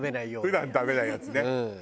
普段食べないやつね。